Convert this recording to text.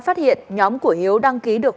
phát hiện nhóm của hiếu đăng ký được